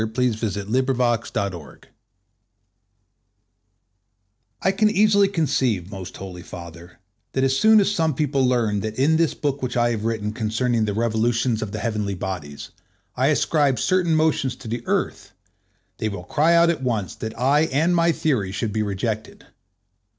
1909–14. Nicolaus Copernicus (1543) I CAN easily conceive, most Holy Father, that as soon as some people learn that in this book which I have written concerning the revolutions of the heavenly bodies, I ascribe certain motions to the Earth, they will cry out at once that I and my theory should be rejected.